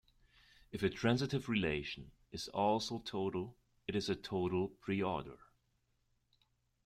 If a transitive relation is also total, it is a total preorder.